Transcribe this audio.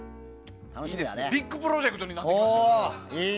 ビッグプロジェクトになってきましたよ。